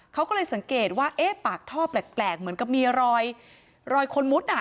เขาก็เลยสังเกตว่าเอ๊ะปากท่อแปลกเหมือนกับมีรอยคนมุดอ่ะ